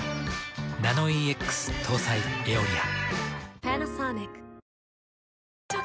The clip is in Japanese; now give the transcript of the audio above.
ナノイーＸ搭載「エオリア」。